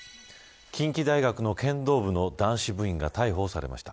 近畿大学の剣道部の男子部員が逮捕されました。